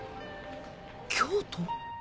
京都？